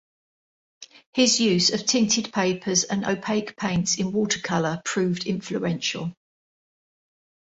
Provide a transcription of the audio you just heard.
His use of tinted papers and opaque paints in watercolour proved influential.